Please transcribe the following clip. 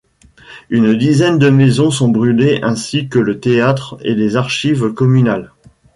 Une dizaine de maisons sont brulées ainsi que le théâtre et les archives communales.